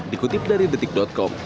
dikutip dari detik com